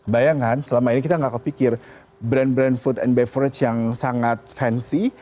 bayangkan selama ini kita nggak kepikir brand brand food and beverage yang sangat fansy